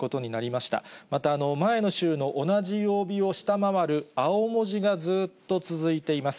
また前の週の同じ曜日を下回る青文字がずっと続いています。